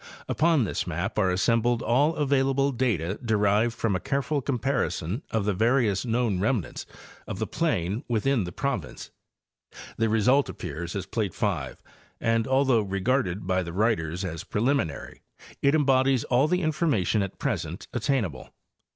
Upon this map are assembled all available data derived from a careful comparison of the various known remnants of the plain within the province. The result appears as plate 5, and although regarded by the writers as preliminary, it embodies all the information at present attainable.